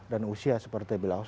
dan usia seperti beliau